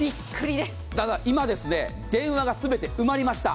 ただ、今、電話が全て埋まりました。